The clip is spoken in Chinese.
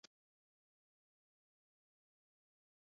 此用法起源于漳州话。